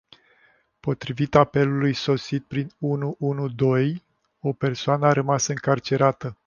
Potrivit apelului sosit prin unu unu doi, o persoană a rămas încarcerată.